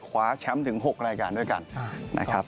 คว้าแชมป์ถึง๖รายการด้วยกันนะครับ